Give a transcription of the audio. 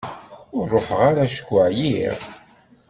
Ur ruḥeɣ ara acku εyiɣ.